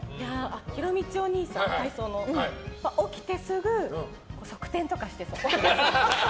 ひろみちおにいさんは起きてすぐ側転とかしてそう。